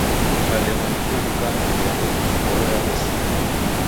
Kukalemwa ni kuw'uka keghende, ngolo yaghosia.